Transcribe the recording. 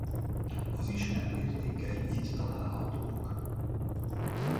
Az ismert értékei itt találhatók.